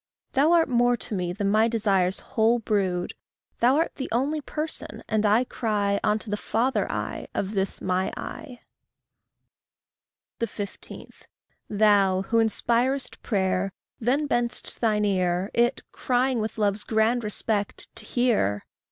Thou art more to me than my desires' whole brood; Thou art the only person, and I cry Unto the father I of this my I. 15. Thou who inspirest prayer, then bend'st thine ear; It, crying with love's grand respect to hear!